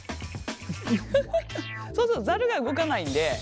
フフフそうそうザルが動かないんで。